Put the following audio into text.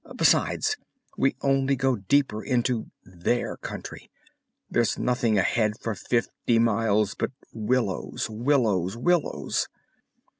Besides, we only go deeper into their country! There's nothing ahead for fifty miles but willows, willows, willows!"